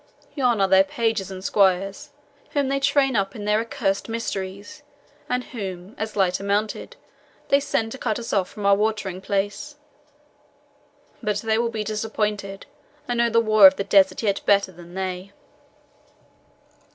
Yon are their pages and squires, whom they train up in their accursed mysteries, and whom, as lighter mounted, they send to cut us off from our watering place. But they will be disappointed. I know the war of the desert yet better than they."